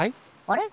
あれ？